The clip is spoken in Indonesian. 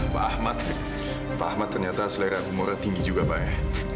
pak ahmad pak ahmad ternyata selera umurnya tinggi juga pak ya